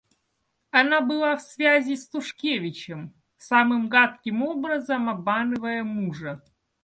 Она была в связи с Тушкевичем, самым гадким образом обманывая мужа.